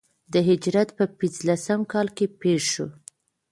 د هجرت په پنځه لسم کال کې پېښ شو.